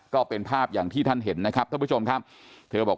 ก็เป็นภาพอย่างที่ท่านเห็นนะครับท่านผู้ชมครับเธอบอก